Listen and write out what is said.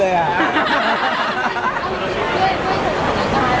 เวลาของเราจริงก็ได้ใช้ผลเป็นประโยชน์มาก